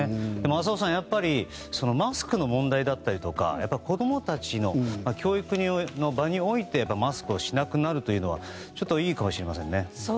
浅尾さん、やっぱりマスクの問題だったりとか子供たちの教育の場においてマスクをしなくなるというのはちょっといいかもしれませんね。